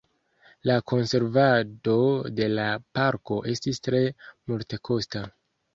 La konservado de la parko estis tre multekosta.